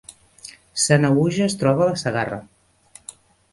Sanaüja es troba a la Segarra